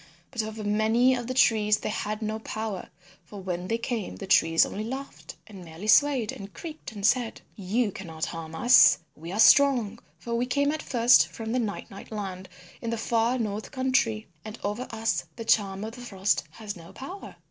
But over many of the trees they had no power, for when they came, the trees only laughed and merely swayed and creaked and said, "You cannot harm us; we are strong, for we came at first from the Night Night Land in the far north country, and over us the Charm of the Frost has no power."